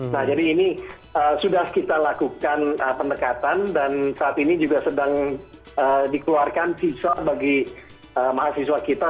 nah jadi ini sudah kita lakukan pendekatan dan saat ini juga sedang dikeluarkan visa bagi mahasiswa kita